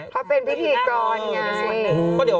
เขาเป็นพิธีกรไง